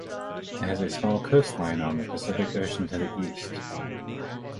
It has a small coastline on the Pacific Ocean to the east.